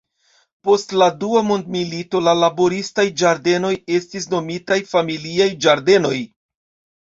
Post la dua mondmilito la laboristaj ĝardenoj estis nomitaj familiaj ĝardenoj.